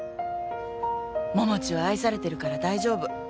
桃地は愛されてるから大丈夫。